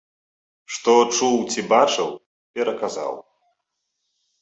Што чуў ці бачыў, пераказаў.